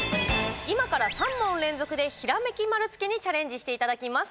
今から３問連続でひらめき丸つけにチャレンジしていただきます。